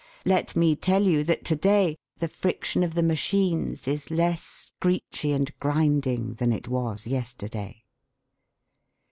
Let me tell you that to day the friction of the machines is less screechy and grinding than it was yesterday.